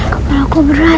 kepala aku berat